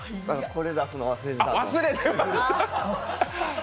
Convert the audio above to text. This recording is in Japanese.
これ、出すの忘れてました。